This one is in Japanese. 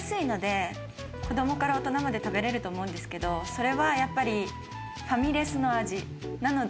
子供から大人まで食べられると思うんですけれど、それはやっぱりファミレスの味なので。